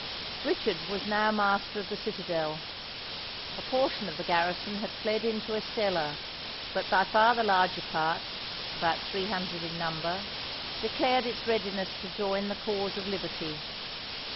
Richard was now master of the citadel. A portion of the garrison had fled into Estella; but by far the larger part, about three hundred in number, declared its readiness to join the cause of liberty.